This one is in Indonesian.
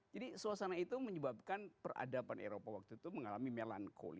jadi suasana itu menyebabkan peradaban eropa waktu itu mengalami melankoli